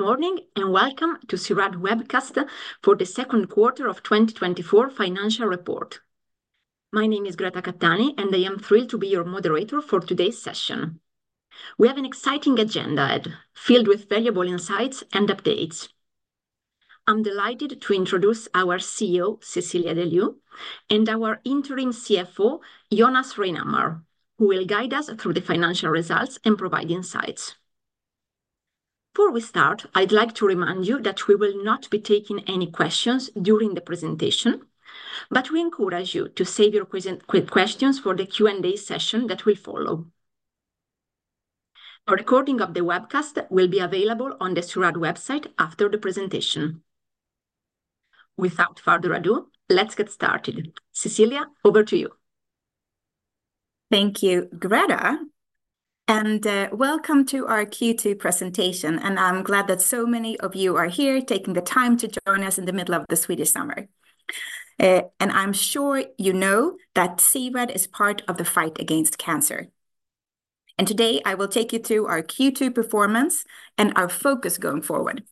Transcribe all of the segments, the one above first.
Good morning, and welcome to C-RAD webcast for the second quarter of 2024 financial report. My name is Greta Cattani, and I am thrilled to be your moderator for today's session. We have an exciting agenda filled with valuable insights and updates. I'm delighted to introduce our CEO, Cecilia de Leeuw, and our interim CFO, Jonas Reinhammar, who will guide us through the financial results and provide insights. Before we start, I'd like to remind you that we will not be taking any questions during the presentation, but we encourage you to save your questions for the Q&A session that will follow. A recording of the webcast will be available on the C-RAD website after the presentation. Without further ado, let's get started. Cecilia, over to you. Thank you, Greta, and welcome to our Q2 presentation, and I'm glad that so many of you are here taking the time to join us in the middle of the Swedish summer. I'm sure you know that C-RAD is part of the fight against cancer, and today I will take you through our Q2 performance and our focus going forward.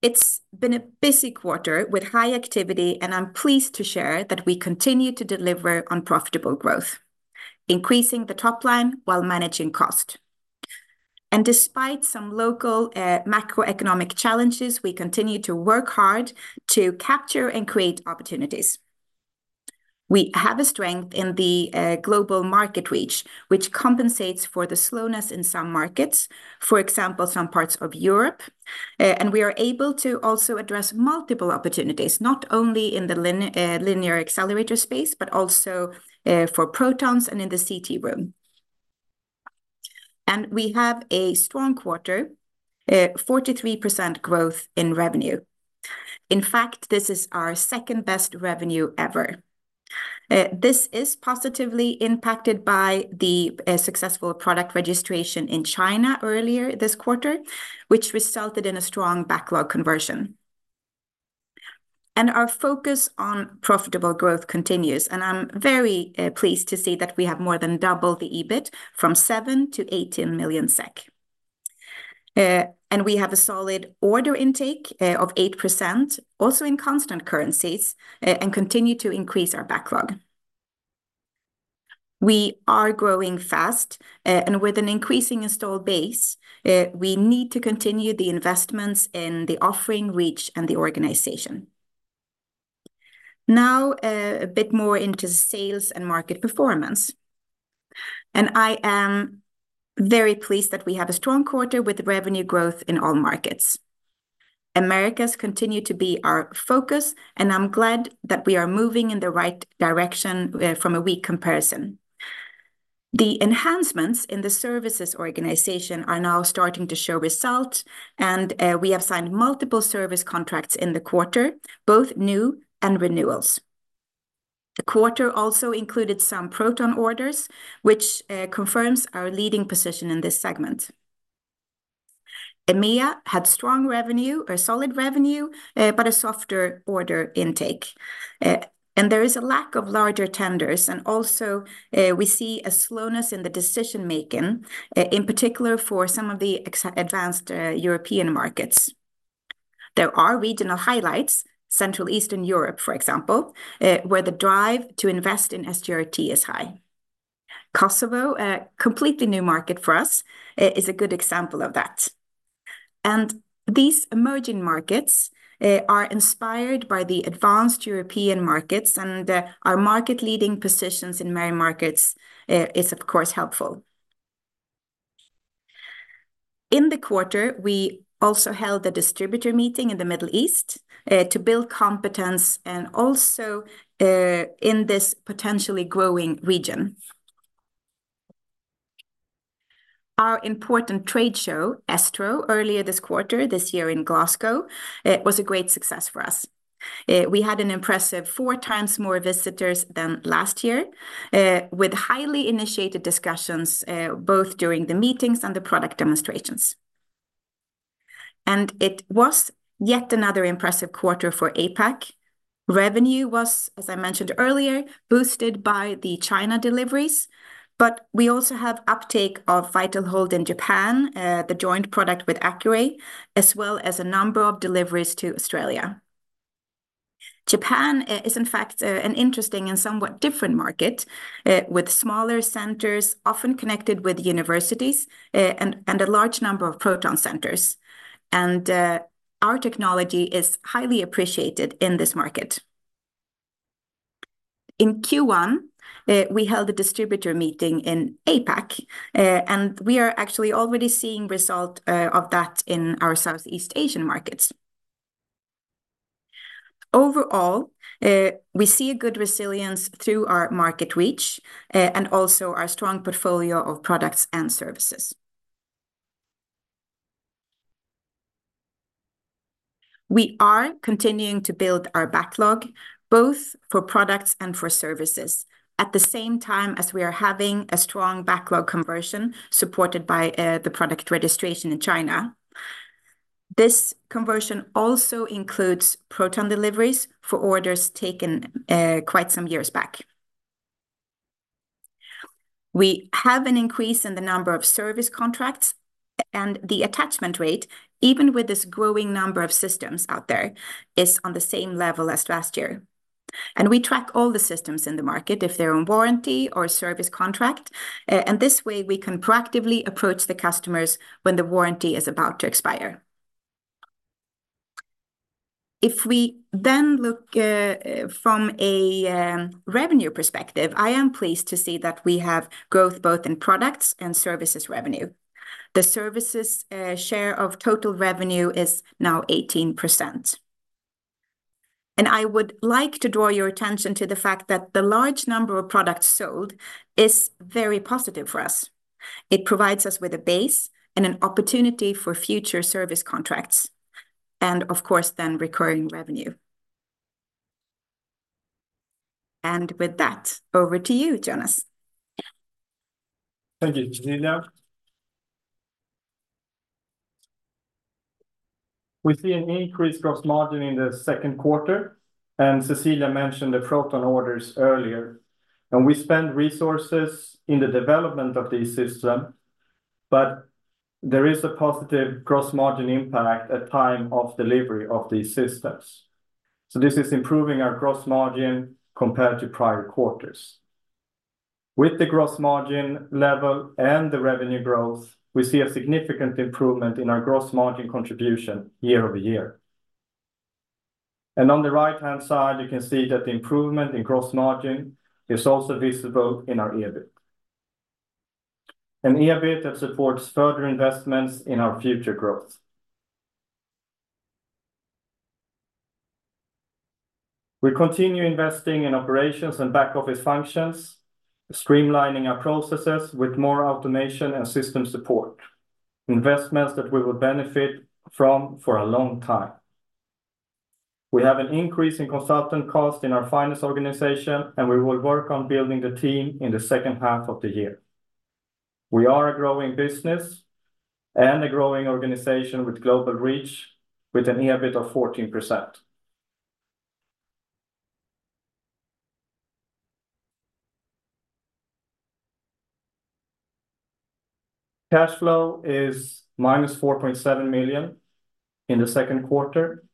It's been a busy quarter with high activity, and I'm pleased to share that we continue to deliver on profitable growth, increasing the top line while managing cost. Despite some local macroeconomic challenges, we continue to work hard to capture and create opportunities. We have a strength in the global market reach, which compensates for the slowness in some markets, for example, some parts of Europe, and we are able to also address multiple opportunities, not only in the linear accelerator space, but also for protons and in the CT room. We have a strong quarter, a 43% growth in revenue. In fact, this is our second-best revenue ever. This is positively impacted by the successful product registration in China earlier this quarter, which resulted in a strong backlog conversion. Our focus on profitable growth continues, and I'm very pleased to see that we have more than double the EBIT from 7 million to 18 million SEK. And we have a solid order intake of 8%, also in constant currencies, and continue to increase our backlog. We are growing fast, and with an increasing installed base, we need to continue the investments in the offering reach and the organization. Now, a bit more into sales and market performance, and I am very pleased that we have a strong quarter with revenue growth in all markets. Americas continue to be our focus, and I'm glad that we are moving in the right direction, from a weak comparison. The enhancements in the services organization are now starting to show results, and, we have signed multiple service contracts in the quarter, both new and renewals. The quarter also included some proton orders, which, confirms our leading position in this segment. EMEA had strong revenue or solid revenue, but a softer order intake, and there is a lack of larger tenders. Also, we see a slowness in the decision making, in particular for some of the advanced European markets. There are regional highlights, Central Eastern Europe, for example, where the drive to invest in SGRT is high. Kosovo, a completely new market for us, is a good example of that. These emerging markets are inspired by the advanced European markets and our market-leading positions in many markets is, of course, helpful. In the quarter, we also held a distributor meeting in the Middle East to build competence and also in this potentially growing region. Our important trade show, ESTRO, earlier this quarter, this year in Glasgow, it was a great success for us. We had an impressive 4 times more visitors than last year, with highly initiated discussions, both during the meetings and the product demonstrations. It was yet another impressive quarter for APAC. Revenue was, as I mentioned earlier, boosted by the China deliveries, but we also have uptake of VitalHold in Japan, the joint product with Accuray, as well as a number of deliveries to Australia. Japan is, in fact, an interesting and somewhat different market, with smaller centers, often connected with universities, and a large number of proton centers, and our technology is highly appreciated in this market. In Q1, we held a distributor meeting in APAC, and we are actually already seeing result of that in our Southeast Asian markets. Overall, we see a good resilience through our market reach, and also our strong portfolio of products and services. We are continuing to build our backlog, both for products and for services, at the same time as we are having a strong backlog conversion supported by, the product registration in China. This conversion also includes proton deliveries for orders taken, quite some years back. We have an increase in the number of service contracts, and the attachment rate, even with this growing number of systems out there, is on the same level as last year. We track all the systems in the market, if they're on warranty or service contract, and this way we can proactively approach the customers when the warranty is about to expire. If we then look from a revenue perspective, I am pleased to see that we have growth both in products and services revenue. The services share of total revenue is now 18%. I would like to draw your attention to the fact that the large number of products sold is very positive for us. It provides us with a base and an opportunity for future service contracts and of course, then recurring revenue. With that, over to you, Jonas. Thank you, Cecilia. We see an increased gross margin in the second quarter, and Cecilia mentioned the proton orders earlier. And we spend resources in the development of this system, but there is a positive gross margin impact at time of delivery of these systems. So this is improving our gross margin compared to prior quarters. With the gross margin level and the revenue growth, we see a significant improvement in our gross margin contribution year-over-year. And on the right-hand side, you can see that the improvement in gross margin is also visible in our EBIT. An EBIT that supports further investments in our future growth. We continue investing in operations and back-office functions, streamlining our processes with more automation and system support, investments that we will benefit from for a long time. We have an increase in consultant cost in our finance organization, and we will work on building the team in the second half of the year. We are a growing business and a growing organization with global reach, with an EBIT of 14%. Cash flow is -4.7 million in the second quarter,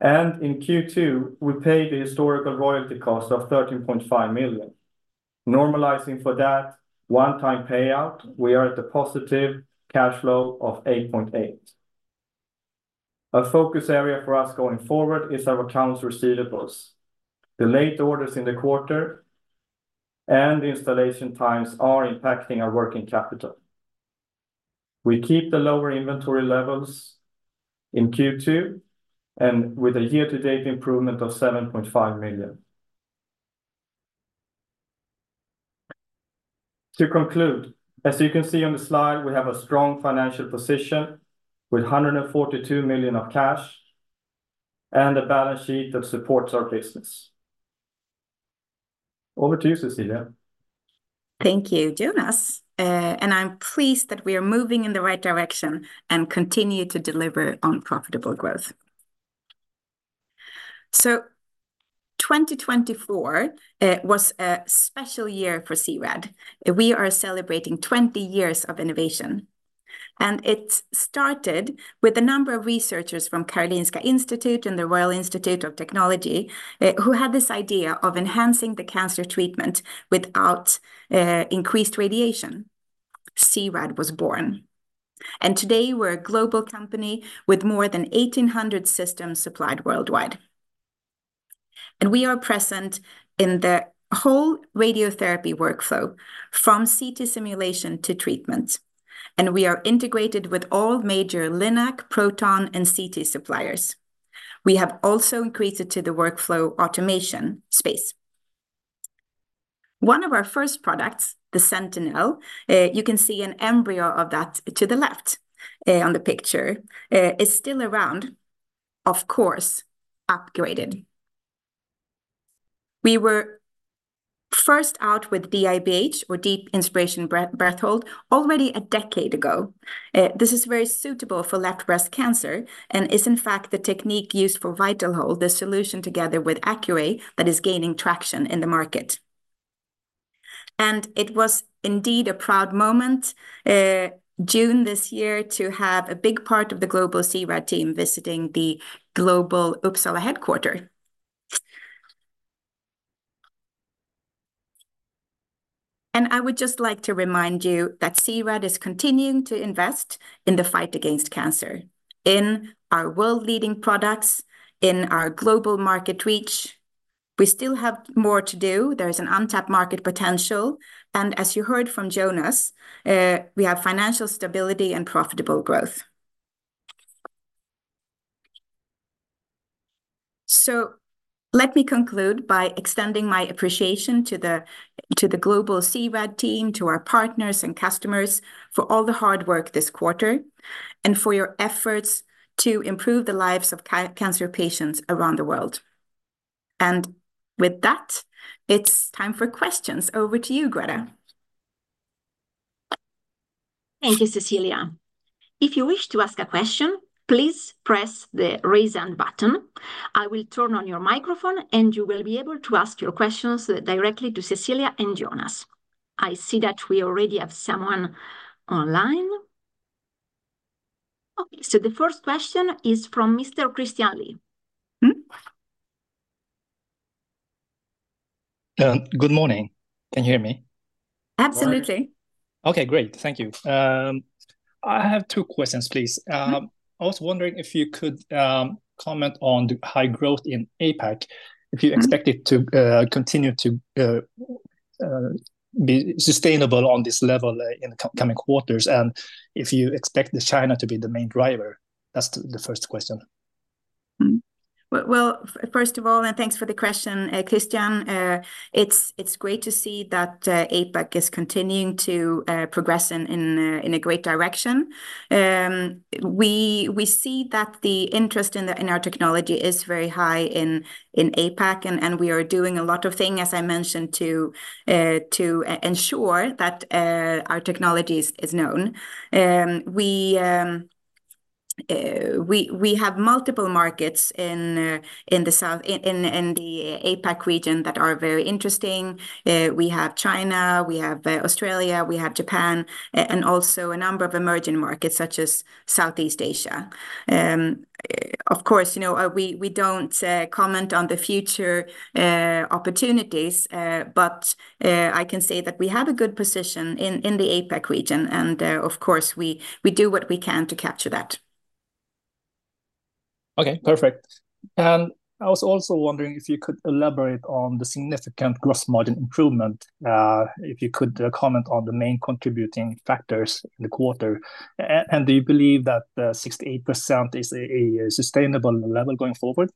and in Q2, we paid the historical royalty cost of 13.5 million. Normalizing for that one-time payout, we are at a positive cash flow of 8.8 million. A focus area for us going forward is our accounts receivables. Delayed orders in the quarter and the installation times are impacting our working capital. We keep the lower inventory levels in Q2 and with a year-to-date improvement of 7.5 million. To conclude, as you can see on the slide, we have a strong financial position with 142 million of cash and a balance sheet that supports our business. Over to you, Cecilia. Thank you, Jonas, and I'm pleased that we are moving in the right direction and continue to deliver on profitable growth. So 2024 was a special year for C-RAD. We are celebrating 20 years of innovation, and it started with a number of researchers from Karolinska Institutet and the KTH Royal Institute of Technology, who had this idea of enhancing the cancer treatment without increased radiation. C-RAD was born, and today we're a global company with more than 1,800 systems supplied worldwide. And we are present in the whole radiotherapy workflow from CT simulation to treatment, and we are integrated with all major LINAC, proton, and CT suppliers. We have also increased to the workflow automation space. One of our first products, the Sentinel, you can see an embryo of that to the left, on the picture, is still around, of course, upgraded. We were first out with DIBH, or Deep Inspiration Breath, Breath Hold, already a decade ago. This is very suitable for left breast cancer and is, in fact, the technique used for VitalHold, the solution together with Accuray that is gaining traction in the market. It was indeed a proud moment, June this year to have a big part of the global C-RAD team visiting the global Uppsala headquarters. I would just like to remind you that C-RAD is continuing to invest in the fight against cancer. In our world-leading products, in our global market reach, we still have more to do. There is an untapped market potential, and as you heard from Jonas, we have financial stability and profitable growth. So let me conclude by extending my appreciation to the global C-RAD team, to our partners and customers for all the hard work this quarter and for your efforts to improve the lives of cancer patients around the world. And with that, it's time for questions. Over to you, Greta.... Thank you, Cecilia. If you wish to ask a question, please press the Raise Hand button. I will turn on your microphone, and you will be able to ask your questions directly to Cecilia and Jonas. I see that we already have someone online. Okay, so the first question is from Mr. Christian Lee. Hmm? Good morning. Can you hear me? Absolutely. Okay, great. Thank you. I have two questions, please. I was wondering if you could comment on the high growth in APAC, if you expect it to continue to be sustainable on this level in the coming quarters, and if you expect the China to be the main driver? That's the first question. Hmm. Well, first of all, thanks for the question, Cristian. It's great to see that APAC is continuing to progress in a great direction. We see that the interest in our technology is very high in APAC, and we are doing a lot of things, as I mentioned, to ensure that our technology is known. We have multiple markets in the south in the APAC region that are very interesting. We have China, we have Australia, we have Japan, and also a number of emerging markets, such as Southeast Asia. Of course, you know, we don't comment on the future opportunities, but I can say that we have a good position in the APAC region, and, of course, we do what we can to capture that. Okay, perfect. And I was also wondering if you could elaborate on the significant gross margin improvement, if you could comment on the main contributing factors in the quarter. And do you believe that 68% is a sustainable level going forward?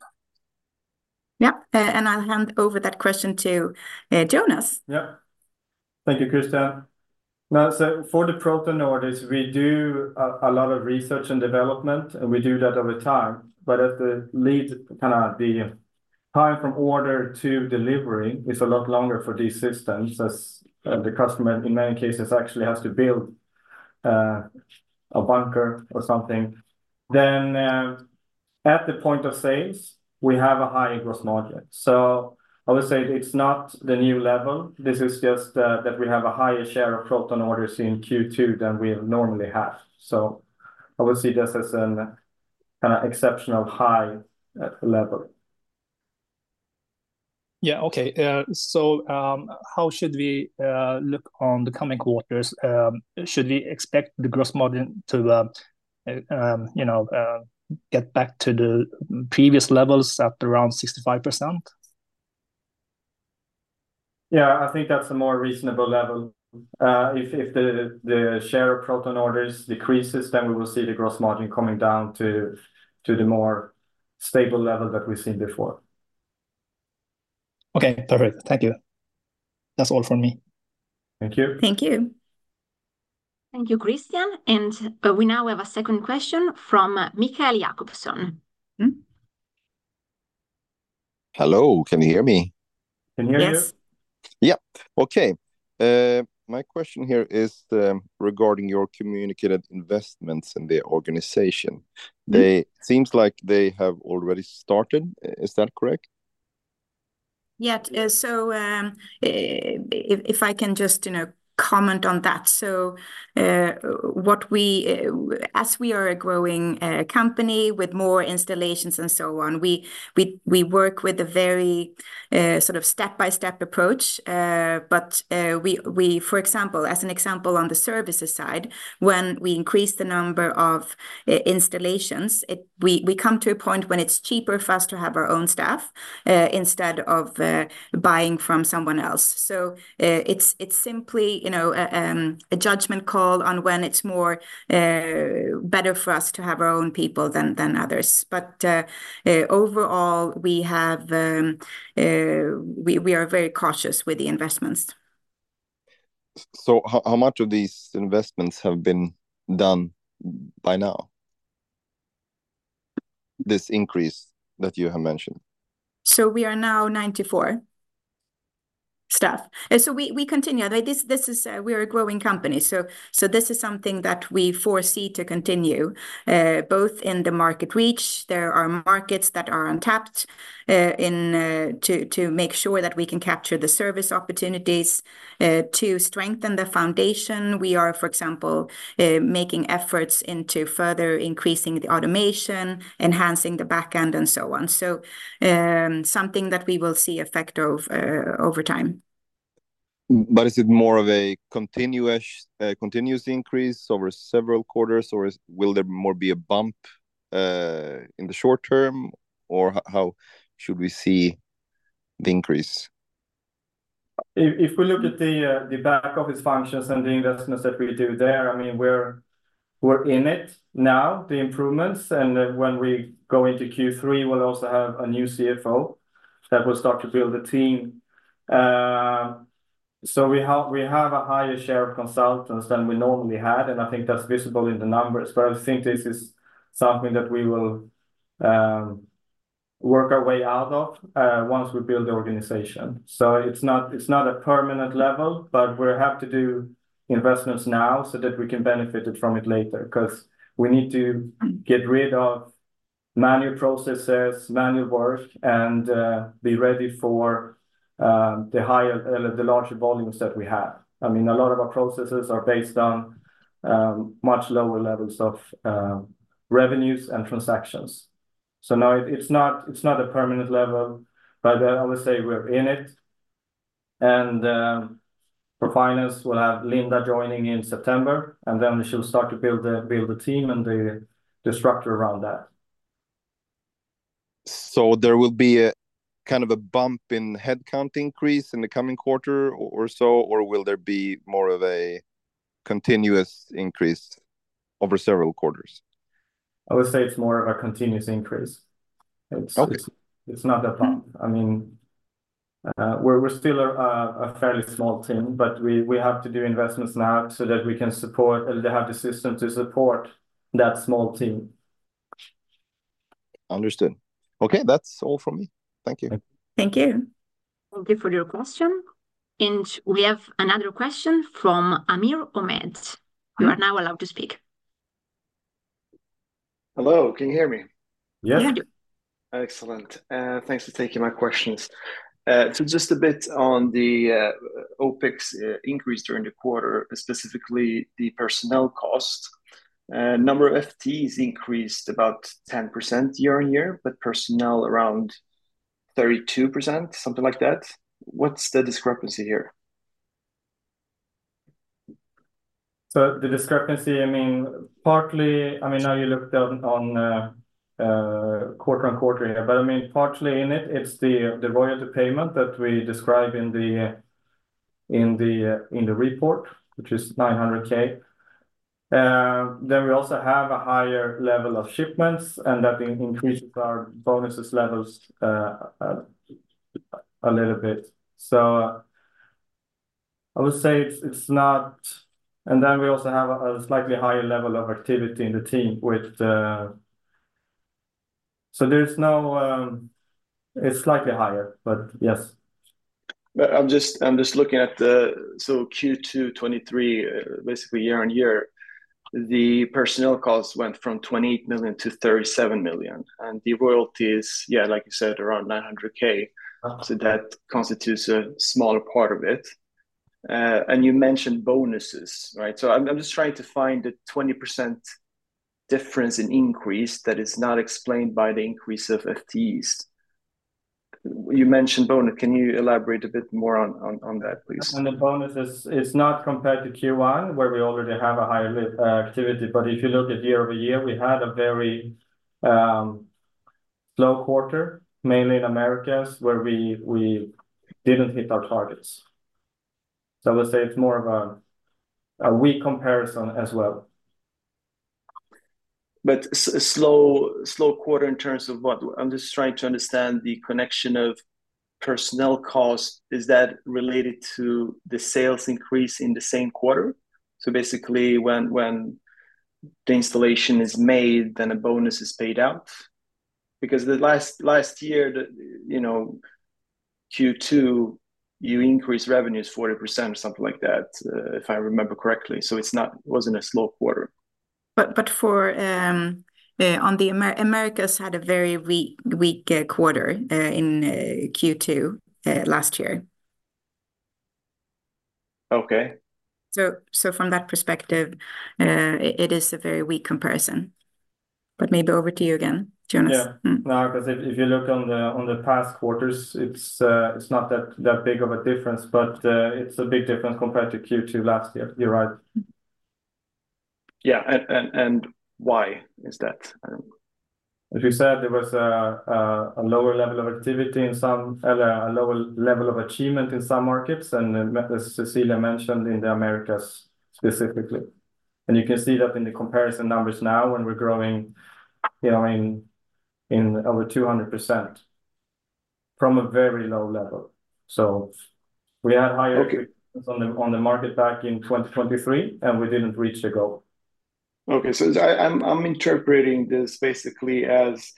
Yeah, and I'll hand over that question to Jonas. Yeah. Thank you, Cristian. Now, so for the proton orders, we do a lot of research and development, and we do that over time. But as the lead, kind of the time from order to delivery is a lot longer for these systems, as the customer, in many cases, actually has to build a bunker or something. Then, at the point of sales, we have a high gross margin. So I would say it's not the new level. This is just that we have a higher share of proton orders in Q2 than we normally have. So I will see this as an, kind of, exceptional high level. Yeah. Okay, so, how should we look on the coming quarters? Should we expect the gross margin to, you know, get back to the previous levels at around 65%? Yeah, I think that's a more reasonable level. If the share of proton orders decreases, then we will see the gross margin coming down to the more stable level that we've seen before. Okay, perfect. Thank you. That's all from me. Thank you. Thank you. Thank you, ristian. We now have a second question from Mikael Jakobsson. Hmm? Hello, can you hear me? Can hear you. Yes. Yeah. Okay. My question here is, regarding your communicated investments in the organization. Mm. They seem like they have already started. Is that correct? Yeah, so, if I can just, you know, comment on that. So, what we, as we are a growing company with more installations and so on, we work with a very, sort of step-by-step approach. But, for example, as an example on the services side, when we increase the number of installations, we come to a point when it's cheaper for us to have our own staff, instead of buying from someone else. So, it's simply, you know, a judgment call on when it's more better for us to have our own people than others. But, overall, we are very cautious with the investments. So how much of these investments have been done by now, this increase that you have mentioned? So we are now 94 staff, and so we continue. Like, this is, we are a growing company. So this is something that we foresee to continue, both in the market reach, there are markets that are untapped, in to make sure that we can capture the service opportunities, to strengthen the foundation. We are, for example, making efforts into further increasing the automation, enhancing the back end, and so on. So, something that we will see effect of, over time. But is it more of a continuous continuous increase over several quarters, or will there more be a bump in the short term, or how should we see the increase? If we look at the back office functions and the investments that we do there, I mean, we're in it now, the improvements, and when we go into Q3, we'll also have a new CFO that will start to build a team. So we have a higher share of consultants than we normally had, and I think that's visible in the numbers, but I think this is something that we will work our way out of once we build the organization. So it's not a permanent level, but we have to do investments now so that we can benefit it from it later. 'Cause we need to get rid of manual processes, manual work, and be ready for the higher, the larger volumes that we have. I mean, a lot of our processes are based on much lower levels of revenues and transactions. So no, it's not, it's not a permanent level, but I would say we're in it, and for finance, we'll have Linda joining in September, and then she'll start to build the team and the structure around that. There will be a kind of a bump in headcount increase in the coming quarter or so, or will there be more of a continuous increase over several quarters? I would say it's more of a continuous increase. Okay. It's not a bump. I mean, we're still a fairly small team, but we have to do investments now so that we can support or have the system to support that small team. Understood. Okay, that's all from me. Thank you. Thank you. Thank you for your question. We have another question from Amir Ahmed. You are now allowed to speak. Hello. Can you hear me? Yes. Yeah. Excellent. Thanks for taking my questions. So just a bit on the OPEX increase during the quarter, specifically the personnel cost. Number of FTs increased about 10% year-on-year, but personnel around 32%, something like that. What's the discrepancy here? So the discrepancy, I mean, partly... I mean, now you looked down on quarter-on-quarter here, but, I mean, partly in it, it's the royalty payment that we describe in the report, which is 900,000. Then we also have a higher level of shipments, and that increases our bonuses levels a little bit. So I would say it's not... And then we also have a slightly higher level of activity in the team so there's no, it's slightly higher, but yes. But I'm just looking at the, so Q2 2023, basically year-on-year, the personnel costs went from 20 million to 37 million, and the royalty is, yeah, like you said, around 900,000. Uh. So that constitutes a smaller part of it. And you mentioned bonuses, right? So I'm, I'm just trying to find the 20% difference in increase that is not explained by the increase of FTs. You mentioned bonus. Can you elaborate a bit more on, on, on that, please? On the bonuses, it's not compared to Q1, where we already have a higher activity, but if you look at year-over-year, we had a very slow quarter, mainly in Americas, where we didn't hit our targets. So I would say it's more of a weak comparison as well. But a slow, slow quarter in terms of what? I'm just trying to understand the connection of personnel costs. Is that related to the sales increase in the same quarter? So basically, when, when the installation is made, then a bonus is paid out? Because the last, last year, the, you know, Q2, you increased revenues 40% or something like that, if I remember correctly, so it's not, it wasn't a slow quarter. But the Americas had a very weak quarter in Q2 last year. Okay. So, from that perspective, it is a very weak comparison, but maybe over to you again, Jonas. Yeah. Mm. No, because if you look on the past quarters, it's not that big of a difference, but it's a big difference compared to Q2 last year. You're right. Yeah, and why is that? As you said, there was a lower level of achievement in some markets, and as Cecilia mentioned, in the Americas, specifically. And you can see that in the comparison numbers now, when we're growing, you know, in over 200% from a very low level. So we had higher- Okay... on the market back in 2023, and we didn't reach the goal. Okay, so I'm interpreting this basically as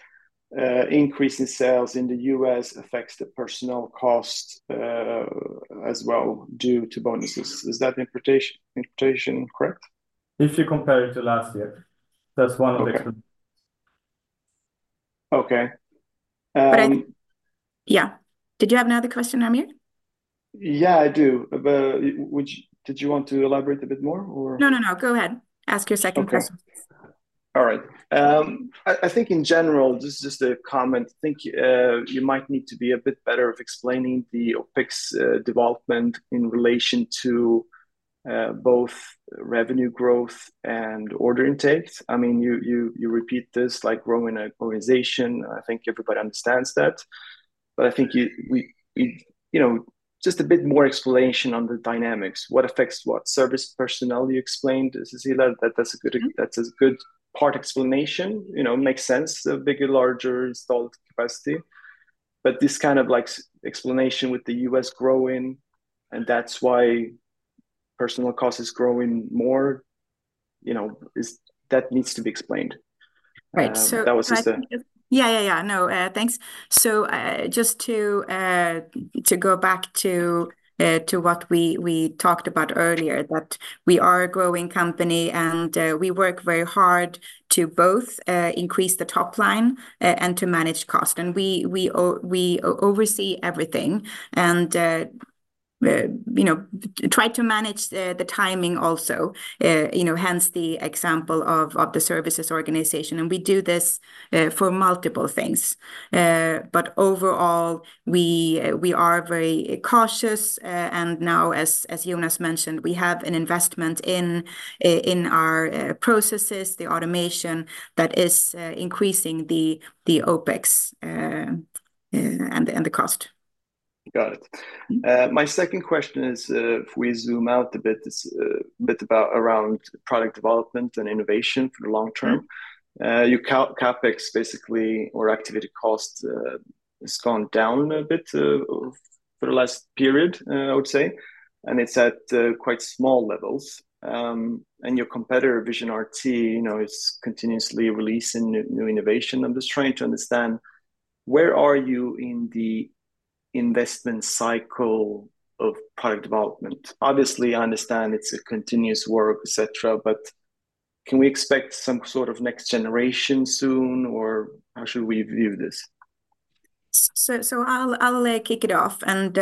increase in sales in the U.S. affects the personnel cost as well, due to bonuses. Is that interpretation correct? If you compare it to last year, that's one of the- Okay. reasons. Okay, um- But I... Yeah. Did you have another question, Amir? Yeah, I do, but did you want to elaborate a bit more or? No, no, no, go ahead. Ask your second question. Okay. All right. I think in general, this is just a comment. I think you might need to be a bit better at explaining the OpEx development in relation to both revenue growth and order intakes. I mean, you repeat this, like, growing organization. I think everybody understands that, but I think we, we, you know, just a bit more explanation on the dynamics, what affects what. Service personnel, you explained. Cecilia, that's a good part explanation. You know, makes sense, a bigger, larger installed capacity, but this kind of, like, explanation with the U.S. growing, and that's why personnel cost is growing more, you know, that needs to be explained. Right. So- That was just a- Yeah, yeah, yeah. No, thanks. So just to go back to what we talked about earlier, that we are a growing company, and we work very hard to both increase the top line and to manage cost. And we oversee everything, and you know try to manage the timing also. You know, hence the example of the services organization, and we do this for multiple things. But overall, we are very cautious. And now, as Jonas mentioned, we have an investment in our processes, the automation that is increasing the OpEx and the cost. Got it. Mm-hmm. My second question is, if we zoom out a bit, it's a bit about product development and innovation for the long term. Mm-hmm. Your CapEx basically, or activity cost, has gone down a bit for the last period, I would say, and it's at quite small levels. And your competitor, Vision RT, you know, is continuously releasing new, new innovation. I'm just trying to understand, where are you in the investment cycle of product development? Obviously, I understand it's a continuous work, et cetera, but can we expect some sort of next generation soon, or how should we view this? So I'll kick it off. And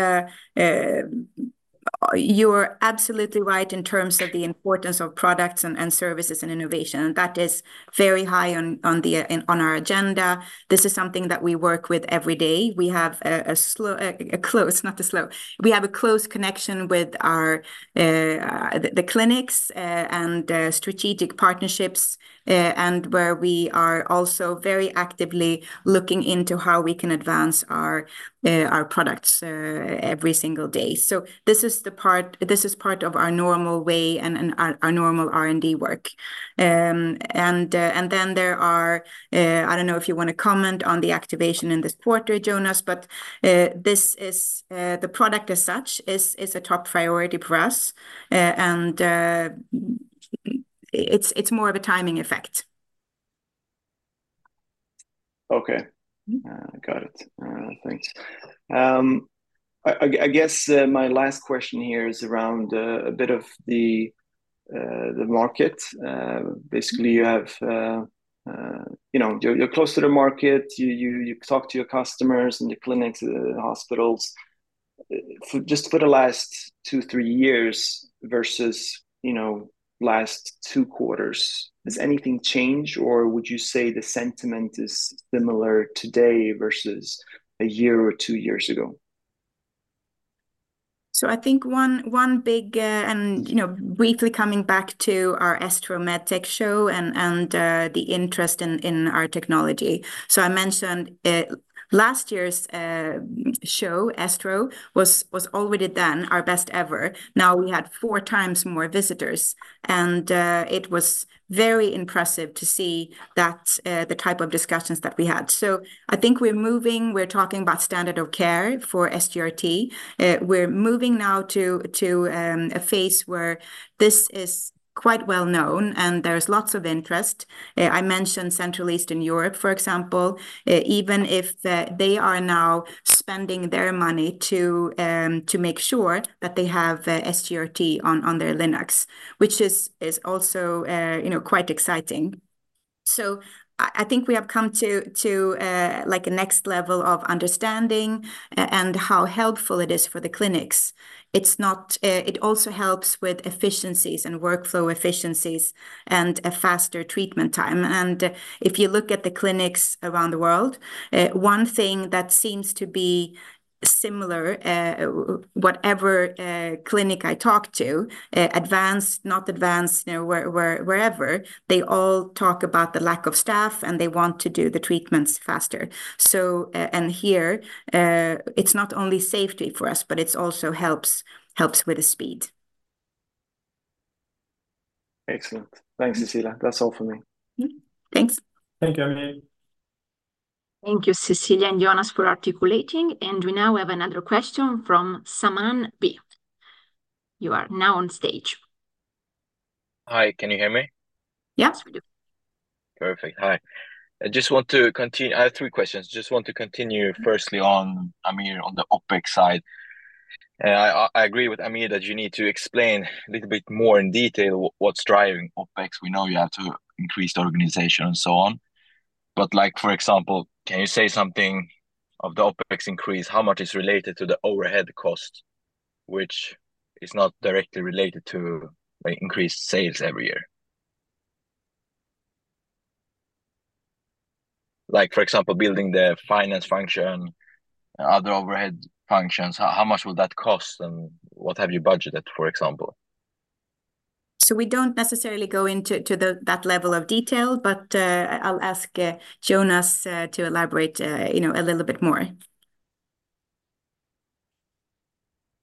you're absolutely right in terms of the importance of products and services and innovation, and that is very high on our agenda. This is something that we work with every day. We have a close connection with our clinics and strategic partnerships, and where we are also very actively looking into how we can advance our products every single day. So this is part of our normal way and our normal R&D work. And then there are... I don't know if you want to comment on the activation in this quarter, Jonas, but this is the product as such, is a top priority for us. And it's more of a timing effect. Okay. Mm-hmm. Got it. Thanks. I guess my last question here is around a bit of the market. Basically you have you know you're close to the market. You talk to your customers in the clinics the hospitals. For just for the last two three years versus you know last two quarters, has anything changed, or would you say the sentiment is similar today versus a year or two years ago? So I think one big, and, you know, briefly coming back to our ESTRO MedTech show and the interest in our technology. So I mentioned last year's show, ESTRO, was already then our best ever. Now, we had four times more visitors, and it was very impressive to see that the type of discussions that we had. So I think we're moving. We're talking about standard of care for SGRT. We're moving now to a phase where this is quite well known, and there's lots of interest. I mentioned Central Eastern Europe, for example. Even if they are now spending their money to make sure that they have SGRT on their LINACs, which is also, you know, quite exciting. So I think we have come to like a next level of understanding and how helpful it is for the clinics. It also helps with efficiencies and workflow efficiencies and a faster treatment time. And if you look at the clinics around the world, one thing that seems to be similar, whatever clinic I talk to, advanced, not advanced, you know, wherever, they all talk about the lack of staff, and they want to do the treatments faster. So, and here, it's not only safety for us, but it also helps with the speed. Excellent. Thanks, Cecilia. That's all for me. Mm-hmm. Thanks. Thank you, Amir. Thank you, Cecilia and Jonas, for articulating. We now have another question from Saman B. You are now on stage. Hi, can you hear me? Yes, we do. Perfect. Hi. I just want to continue. I have three questions. Mm-hmm... firstly, on Amir, on the OPEX side. And I, I agree with Amir that you need to explain a little bit more in detail what's driving OPEX. We know you have to increase the organization and so on. But like, for example, can you say something of the OPEX increase, how much is related to the overhead cost, which is not directly related to, like, increased sales every year? Like, for example, building the finance function, other overhead functions, how, how much will that cost and what have you budgeted, for example? So we don't necessarily go into that level of detail, but I'll ask Jonas to elaborate, you know, a little bit more.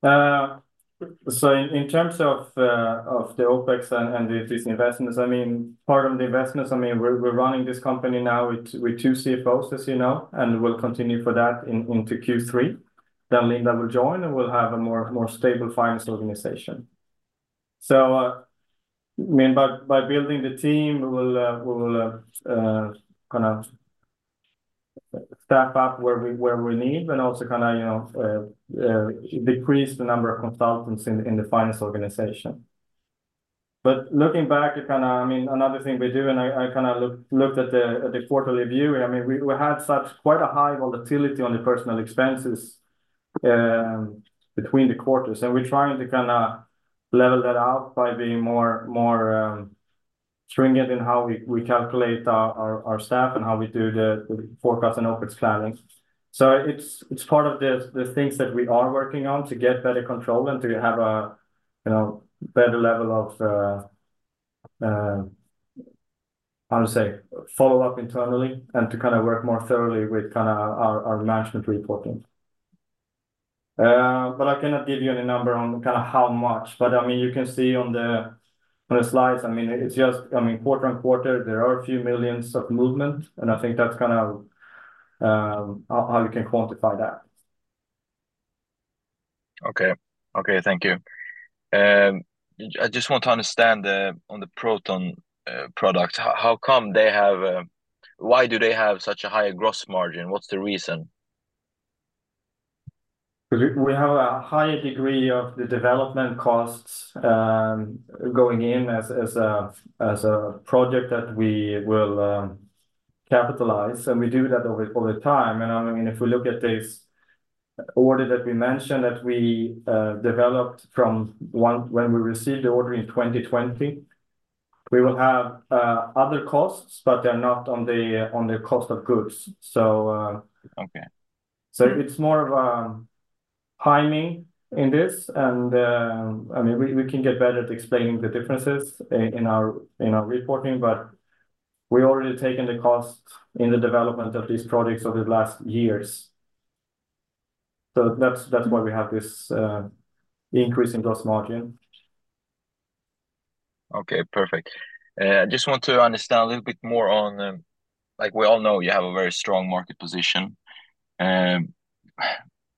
So in terms of the OPEX and these investments, I mean, part of the investments, I mean, we're running this company now with two CFOs, as you know, and we'll continue that into Q3. Then Linda will join, and we'll have a more stable finance organization. So, I mean, by building the team, we will kind of step up where we need, and also kinda, you know, decrease the number of consultants in the finance organization. But looking back, it kinda, I mean, another thing we do, and I kinda looked at the quarterly view, and I mean, we had such quite a high volatility on the personnel expenses between the quarters, and we're trying to kinda level that out by being more stringent in how we calculate our staff and how we do the forecast and OpEx planning. So it's part of the things that we are working on to get better control and to have a, you know, better level of follow up internally and to kind of work more thoroughly with kinda our management reporting. But I cannot give you any number on kind of how much. But, I mean, you can see on the slides, I mean, it's just, I mean, quarter-over-quarter, there are a few millions of movement, and I think that's kind of how you can quantify that. Okay. Okay, thank you. I just want to understand, on the proton product, how come they have... Why do they have such a higher gross margin? What's the reason? We have a higher degree of the development costs going in as a project that we will capitalize, and we do that over all the time. I mean, if we look at this order that we mentioned that we developed when we received the order in 2020, we will have other costs, but they're not on the cost of goods, so- Okay. So it's more of timing in this, and I mean, we can get better at explaining the differences in our reporting, but we've already taken the cost in the development of these products over the last years. So that's why we have this increase in gross margin. Okay, perfect. I just want to understand a little bit more on... Like, we all know you have a very strong market position.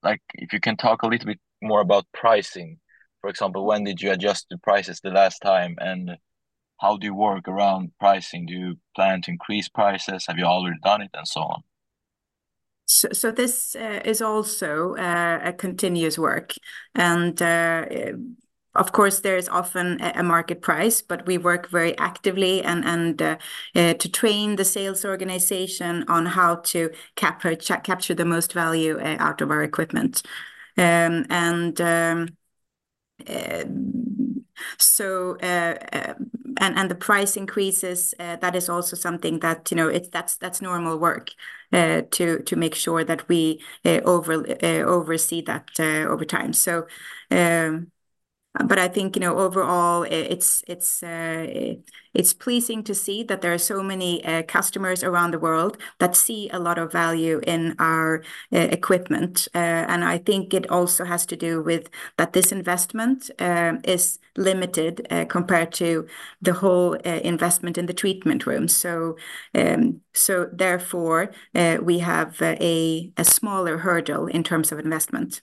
Like, if you can talk a little bit more about pricing. For example, when did you adjust the prices the last time, and how do you work around pricing? Do you plan to increase prices? Have you already done it, and so on? So this is also a continuous work, and of course there is often a market price, but we work very actively and to train the sales organization on how to capture the most value out of our equipment. And the price increases that is also something that, you know, it's—that's normal work to make sure that we oversee that over time. But I think, you know, overall, it's pleasing to see that there are so many customers around the world that see a lot of value in our equipment. I think it also has to do with that this investment is limited compared to the whole investment in the treatment room. So therefore, we have a smaller hurdle in terms of investment.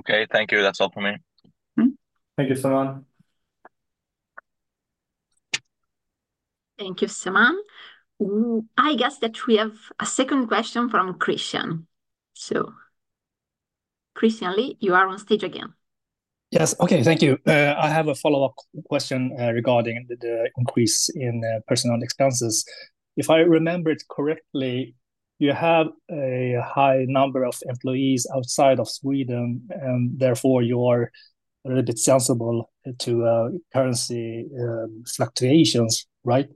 Okay, thank you. That's all from me. Mm-hmm. Thank you, Saman. Thank you, Saman. I guess that we have a second question from Christian. So Christian Li, you are on stage again. Yes. Okay, thank you. I have a follow-up question regarding the increase in personnel expenses. If I remembered correctly, you have a high number of employees outside of Sweden, and therefore you are a little bit sensitive to currency fluctuations, right?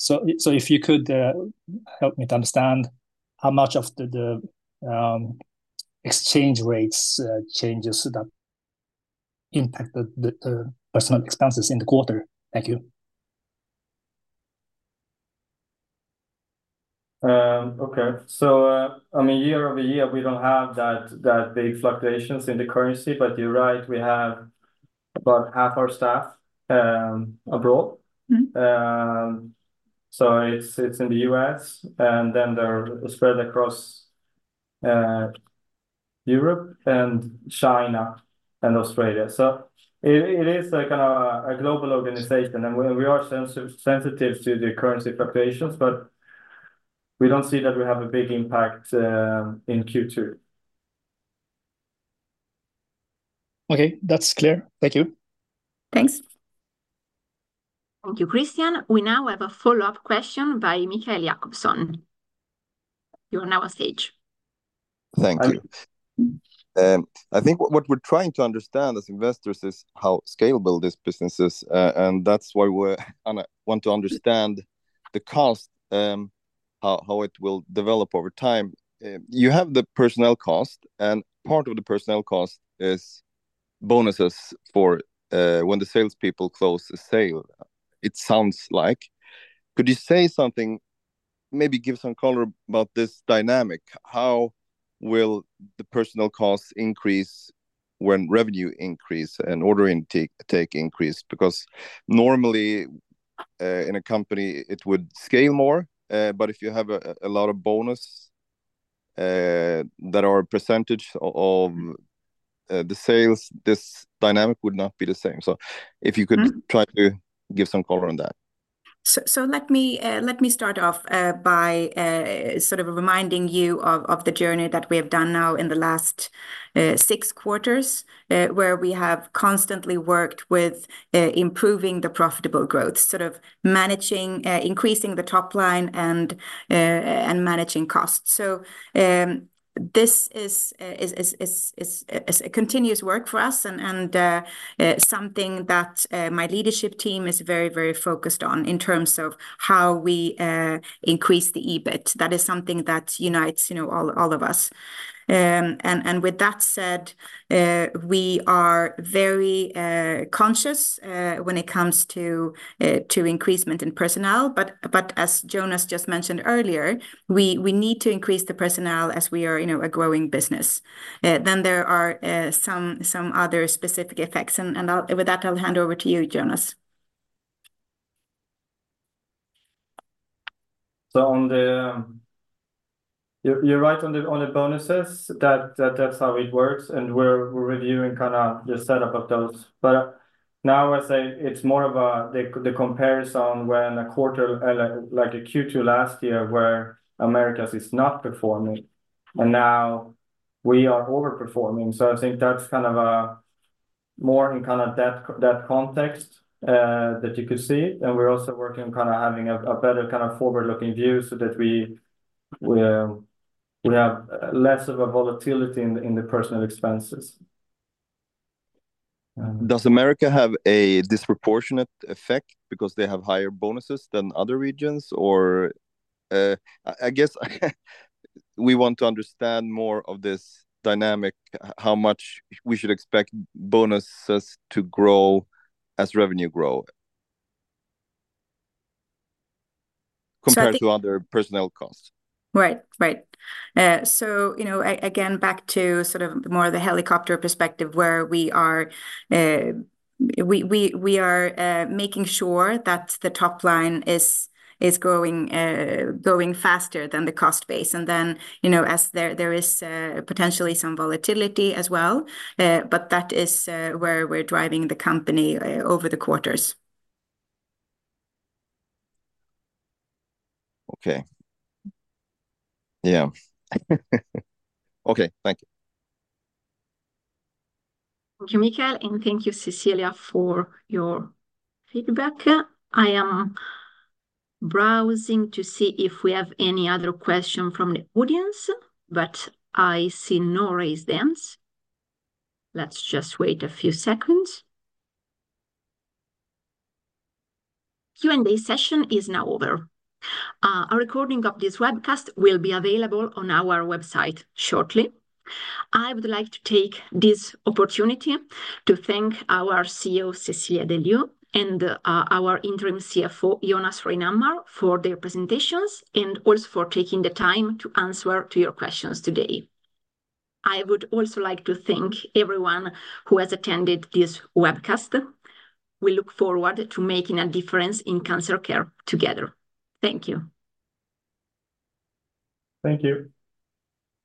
So, if you could help me to understand how much of the exchange rates changes that impacted the personnel expenses in the quarter. Thank you. Okay. So, I mean, year-over-year, we don't have that big fluctuations in the currency, but you're right, we have about half our staff abroad. Mm-hmm. So it's, it's in the U.S., and then they're spread across Europe and China and Australia. So it, it is like a, a global organization, and we, we are sensitive to the currency fluctuations, but we don't see that we have a big impact in Q2. Okay, that's clear. Thank you. Thanks. Thank you, Christian. We now have a follow-up question by Mikael Jakobsson. You're on our stage. Thank you. I- I think what we're trying to understand as investors is how scalable this business is, and that's why we want to understand the cost, how it will develop over time. You have the personnel cost, and part of the personnel cost is bonuses for when the salespeople close the sale, it sounds like. Could you say something, maybe give some color about this dynamic? How will the personnel costs increase when revenue increase and order intake increases? Because normally, in a company, it would scale more, but if you have a lot of bonuses that are a percentage of the sales, this dynamic would not be the same. So if you could- Mm. Try to give some color on that. So let me start off by sort of reminding you of the journey that we have done now in the last six quarters, where we have constantly worked with improving the profitable growth, sort of managing increasing the top line and managing costs. So this is a continuous work for us and something that my leadership team is very, very focused on in terms of how we increase the EBIT. That is something that unites, you know, all of us. And with that said, we are very conscious when it comes to investment in personnel, but as Jonas just mentioned earlier, we need to increase the personnel as we are, you know, a growing business. Then there are some other specific effects, and with that, I'll hand over to you, Jonas. So you're right on the bonuses, that's how it works, and we're reviewing kind of the setup of those. But now I say it's more of a comparison with a quarter like a Q2 last year, where Americas is not performing, and now we are overperforming. So I think that's kind of more in that context that you could see. And we're also working on kind of having a better kind of forward-looking view so that we have less of a volatility in the personal expenses. Does the Americas have a disproportionate effect because they have higher bonuses than other regions? Or, I guess, we want to understand more of this dynamic, how much we should expect bonuses to grow as revenue grow- Sorry-... compared to other personnel costs. Right. Right. So, you know, again, back to sort of more of the helicopter perspective, where we are making sure that the top line is growing faster than the cost base, and then, you know, as there is potentially some volatility as well. But that is where we're driving the company over the quarters. Okay. Yeah. Okay. Thank you. Thank you, Mikael, and thank you, Cecilia, for your feedback. I am browsing to see if we have any other question from the audience, but I see no raised hands. Let's just wait a few seconds. Q&A session is now over. A recording of this webcast will be available on our website shortly. I would like to take this opportunity to thank our CEO, Cecilia de Leeuw, and our interim CFO, Jonas Reinhammar, for their presentations and also for taking the time to answer to your questions today. I would also like to thank everyone who has attended this webcast. We look forward to making a difference in cancer care together. Thank you. Thank you.